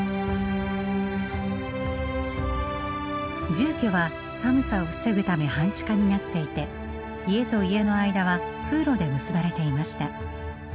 住居は寒さを防ぐため半地下になっていて家と家の間は通路で結ばれていました。